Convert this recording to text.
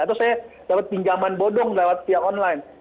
atau saya dapat pinjaman bodong lewat via online